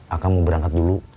akang mau berangkat dulu